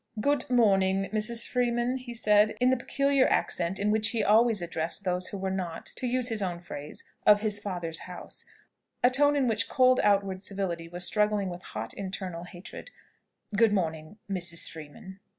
"Good morning, Mrs. Freeman," he said, in the peculiar accent in which he always addressed those who were not (to use his own phrase) of his father's house, a tone in which cold outward civility was struggling with hot internal hatred; "Good morning, Mrs. Freeman."